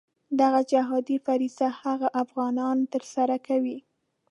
دغه جهادي فریضه هغه افغانان ترسره کوي.